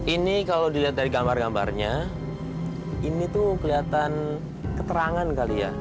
ini kalau dilihat dari gambar gambarnya ini tuh kelihatan keterangan kali ya